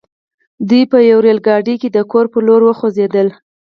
دوی په يوه ريل ګاډي کې د کور پر لور وخوځېدل.